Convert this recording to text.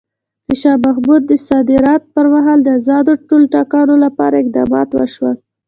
د شاه محمود د صدارت پر مهال ازادو ټولټاکنو لپاره اقدامات وشول.